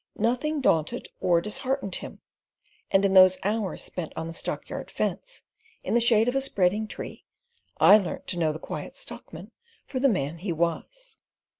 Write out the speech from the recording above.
Nothing daunted or disheartened him; and in those hours spent on the stockyard fence, in the shade of a spreading tree, I learnt to know the Quiet Stockman for the man he was.